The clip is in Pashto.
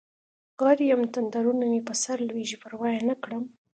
غر یم تندرونه مې په سرلویږي پروا یې نکړم